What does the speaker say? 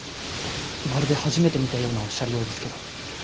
まるで初めて見たようなおっしゃりようですけど。